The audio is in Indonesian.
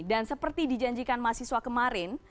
dan seperti dijanjikan mahasiswa kemarin